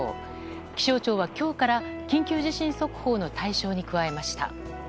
気象庁は、今日から緊急地震速報の対象に加えました。